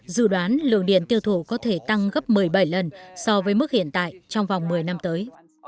dự đoán lượng điện tiêu thụ có thể tăng gấp một mươi bảy lần so với mức hiện tại trong vòng một mươi năm tới